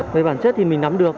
về bản chất thì mình nắm được